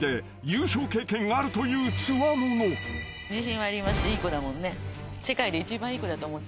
いい子だもんね。